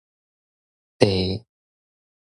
貯